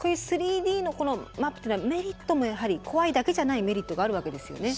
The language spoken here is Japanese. ３Ｄのマップというのはメリットもやはり怖いだけじゃないメリットがあるわけですよね？